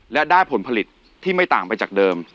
และได้ผลผลิตที่ไม่ต่างไปจากเดิม